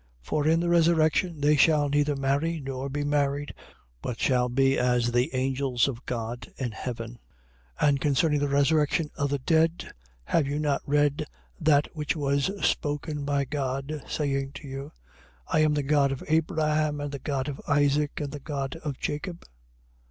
22:30. For in the resurrection they shall neither marry nor be married, but shall be as the angels of God in heaven. 22:31. And concerning the resurrection of the dead, have you not read that which was spoken by God, saying to you: 22:32. I am the God of Abraham and the God of Isaac and the God of Jacob?